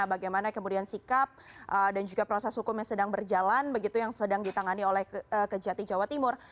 bagaimana kemudian sikap dan juga proses hukum yang sedang berjalan begitu yang sedang ditangani oleh kejati jawa timur